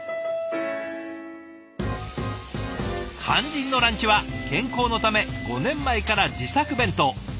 肝心のランチは健康のため５年前から自作弁当。